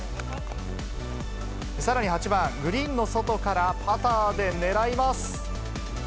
さらに８番、グリーンの外からパターで狙います。